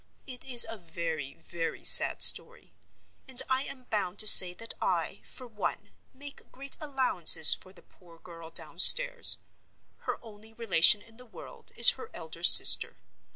It is a very, very sad story; and I am bound to say that I, for one, make great allowances for the poor girl downstairs. Her only relation in the world is her elder sister.